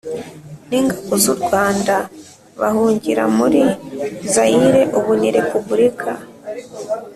N ingabo z u rwanda bahungira muri zayire ubu ni repubulika